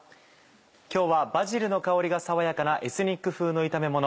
今日はバジルの香りが爽やかなエスニック風の炒めもの